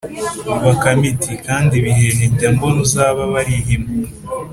Bakame iti: Kandi Bihehe njya mbona uzaba Barihima